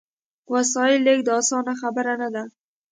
وسایلو لېږد اسانه خبره نه ده.